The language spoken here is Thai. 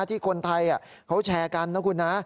ที่คนไทยเขาแชร์กันนะคุณนะ